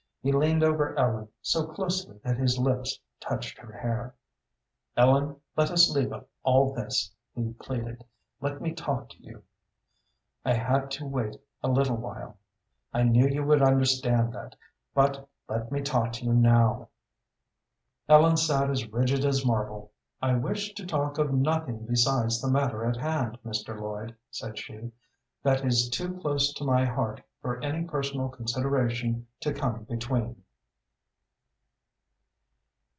He leaned over Ellen, so closely that his lips touched her hair. "Ellen, let us leave all this," he pleaded; "let me talk to you. I had to wait a little while. I knew you would understand that, but let me talk to you now." Ellen sat as rigid as marble. "I wish to talk of nothing besides the matter at hand, Mr. Lloyd," said she. "That is too close to my heart for any personal consideration to come between."